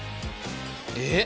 えっ！？